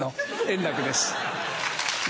円楽です。